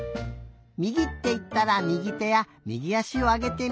みぎっていったらみぎてやみぎあしをあげてみよう！